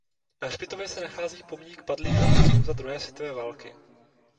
Na hřbitově se nachází pomník padlých letců za druhé světové války.